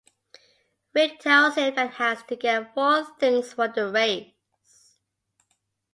Rick tells him that he has to get four things for the race.